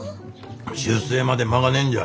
出征まで間がねえんじゃ。